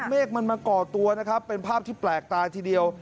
เมฆมันมาก่อตัวนะครับเป็นภาพที่แปลกตาทีเดียว